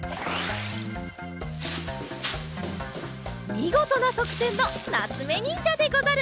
みごとなそくてんのなつめにんじゃでござる。